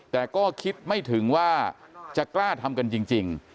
แต่ก็คิดไม่ถึงว่าจะกล้าทำกันจริง